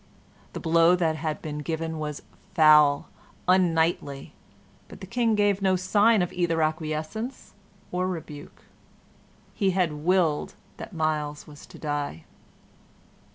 The blow that had been given was foul, unknightly, but the King gave no sign either of acquiescence or rebuke; he had willed that Myles was to die.